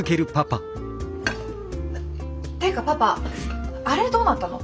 ていうかパパあれどうなったの？